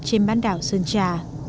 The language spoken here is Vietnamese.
trên bán đảo sơn trà